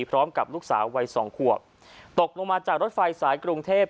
พร้อมกับลูกสาววัยสองขวบตกลงมาจากรถไฟสายกรุงเทพ